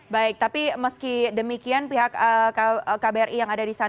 baik tapi meski demikian pihak kbri yang ada di sana